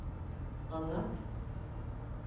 Anlat.